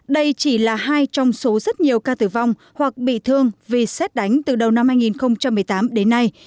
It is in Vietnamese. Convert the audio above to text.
đây chỉ là hai trong số rất nhiều ca tử vong hoặc bị thương vì xét đánh từ đầu năm hai nghìn một mươi tám đến nay